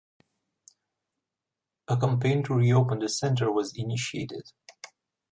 A campaign to re-open the centre was initiated.